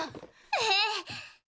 ええ。